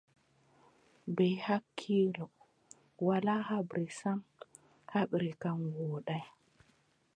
Bee hakkiilo, walaa haɓre sam, haɓre kam wooda.